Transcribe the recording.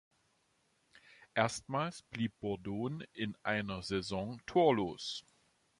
Erstmals blieb Bordon in einer Saison torlos.